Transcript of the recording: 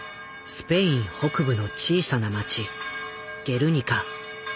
スペイン北部の小さな町ゲルニカ。